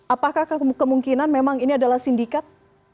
apakah kemungkinan memang ini adalah sindikat